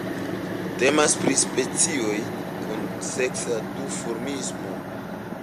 Temas pri specioj kun seksa duformismo.